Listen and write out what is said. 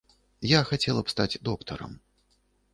Я хацела б стаць доктарам.